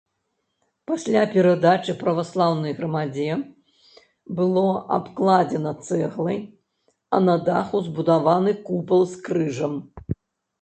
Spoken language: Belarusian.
Пасля перадачы праваслаўнай грамадзе было абкладзена цэглай, а на даху збудаваны купал з крыжам.